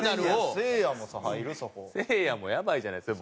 せいやもやばいじゃないですか。